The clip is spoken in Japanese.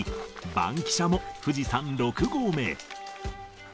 バンキシャも富士山６合目へ。